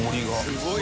すごい！┐